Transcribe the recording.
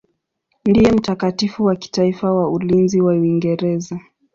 Ndiye mtakatifu wa kitaifa wa ulinzi wa Uingereza.